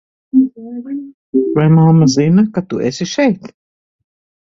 Vai mamma zina, ka tu esi šeit?